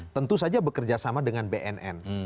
tentu saja bekerja sama dengan bnn